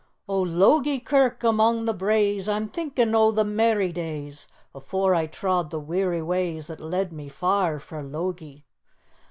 "O Logie Kirk, among the braes I'm thinkin' o' the merry days Afore I trod the weary ways That led me far frae Logie.